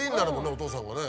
お父さんがね。